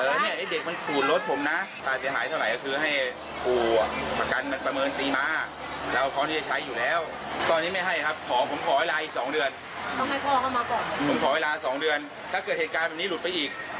เรารำบากที่นี่เรายังเลี้ยงได้